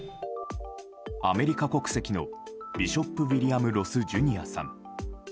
アメリカ国籍のビショップ・ウィリアム・ロス・ジュニアさん。